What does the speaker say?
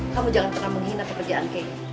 kamu jangan pernah menghina pekerjaan kay